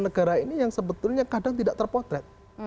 negara ini yang sebetulnya kadang tidak terpotret